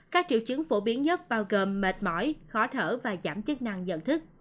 các triệu chứng phổ biến nhất bao gồm mệt mỏi khó thở và giảm chất năng dần thức